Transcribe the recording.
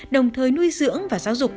đồng thời nuôi dưỡng và giáo dục